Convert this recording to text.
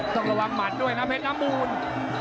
ต้องระวังหมัดด้วยนะเพชรน้ำมูล